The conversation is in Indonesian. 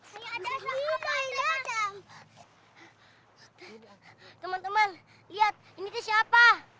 teman teman lihat ini tuh siapa